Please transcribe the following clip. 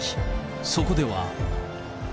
そこでは。